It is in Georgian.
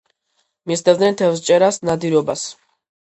მისდევდნენ თევზჭერას, ნადირობას.